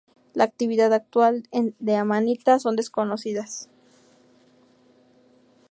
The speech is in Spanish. Las actividades actuales de Amanita son desconocidas.